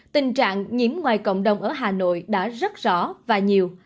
tình trạng nhiễm ngoài cộng đồng ở hà nội đã rất rõ và nhiều